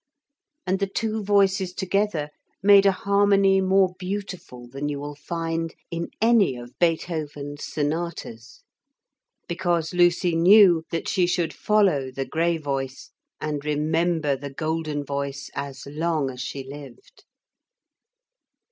And the two voices together made a harmony more beautiful than you will find in any of Beethoven's sonatas. Because Lucy knew that she should follow the grey voice, and remember the golden voice as long as she lived.